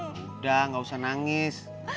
sudah enggak usah nangis